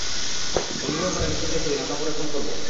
অনুগ্রহ করে মেসেজ রেখে দিন, আমরা পরে ফোন করবো।